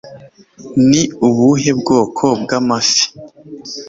ni ubuhe bwoko bw'amafi